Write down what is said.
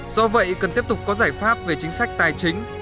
do vậy cần tiếp tục có giải pháp về chính sách tài chính